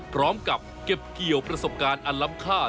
พร้อมกับเก็บเกี่ยวประสบการณ์อันล้ำค่า